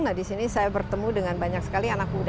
nah disini saya bertemu dengan banyak sekali anak muda